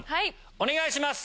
お願いします。